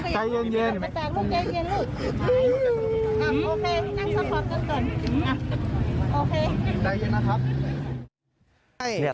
ใจเย็นนะครับ